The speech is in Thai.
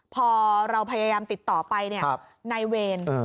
พอเราพยายามติดต่อไปนายเวร